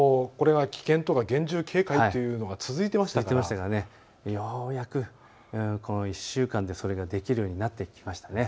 ことし、これは危険とか厳重警戒が続いていましたからようやくこの１週間でそれができるようになってきましたね。